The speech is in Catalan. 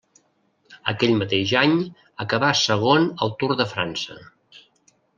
Aquell mateix any, acabà segon al Tour de França.